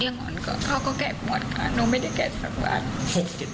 เรื่องเงินเขาก็แกะหมดค่ะหนูไม่ได้แกะสักวัน